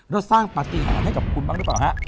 แล้วสร้างปฏิหารให้กับคุณบ้างหรือเปล่าฮะ